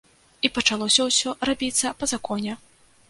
І пачалося ўсё рабіцца па законе.